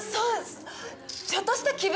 ちょっとした気分転換よ。